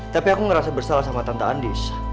tapi aku ngerasa bersalah sama tante andis